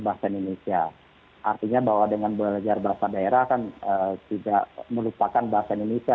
bahasa indonesia artinya bahwa dengan belajar bahasa daerah kan tidak melupakan bahasa indonesia